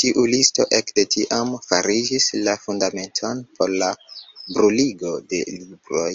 Tiu listo ekde tiam fariĝis la fundamento por la bruligo de libroj.